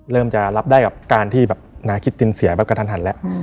เริ่มจะรับได้กับการที่แบบนาคิตตินเสียแบบกระทันแล้ว